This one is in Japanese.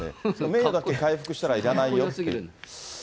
名誉だけ回復したらいらないよって。